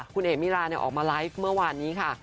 คุณเอ๋มิราออกมาไลฟ์เมื่อวานนี้ค่ะ